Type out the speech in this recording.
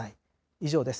以上です。